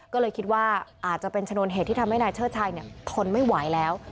ก็เลยคิดว่าอาจจะเป็นชนวนเหตุที่ทำให้นายเชิดชัยทนไม่ไหวแล้ว